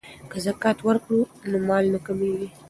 که زکات ورکړو نو مال نه کمیږي.